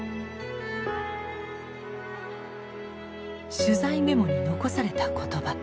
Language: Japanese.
取材メモに残された言葉。